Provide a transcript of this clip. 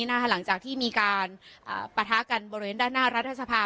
หลังจากที่มีการปะทะกันบริเวณด้านหน้ารัฐสภา